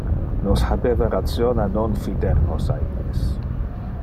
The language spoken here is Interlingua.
Nos habeva ration a non fider nos a illes.